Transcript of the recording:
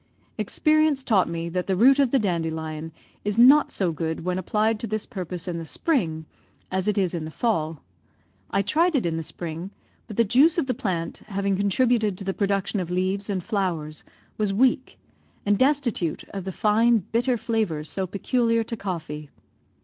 Experience taught me that the root of the dandelion is not so good when applied to this purpose in the spring as it is in the fall. I tried it in the spring, but the juice of the plant, having contributed to the production of leaves and flowers, was weak, and destitute of the fine bitter flavour so peculiar to coffee.